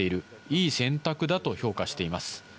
いい選択だと評価しています。